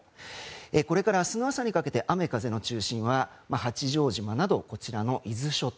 これから明日の朝にかけて雨風の中心は八丈島など、伊豆諸島。